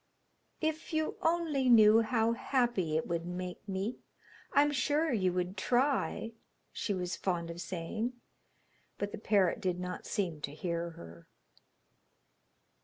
'If you only knew how happy it would make me, I'm sure you would try,' she was fond of saying; but the parrot did not seem to hear her.